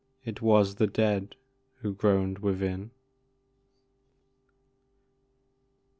It was the dead who groaned within.